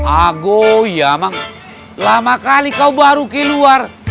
ago ya mang lama kali kau baru keluar